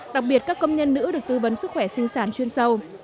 đặc biệt các công nhân nữ được tư vấn sức khỏe sinh sản chuyên sâu